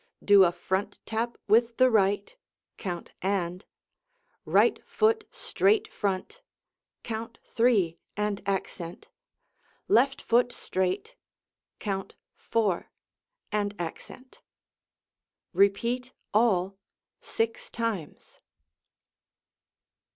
Do a front tap with the right (count "and"), right foot straight front (count "three" and accent), left foot straight (count "four" and accent). Repeat all six times.